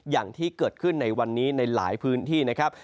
อย่างที่เกิดขึ้นในวันนี้ในหลายพื้นที่นะครับ